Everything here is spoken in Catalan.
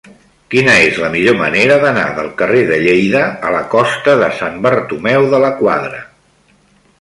Quina és la millor manera d'anar del carrer de Lleida a la costa de Sant Bartomeu de la Quadra?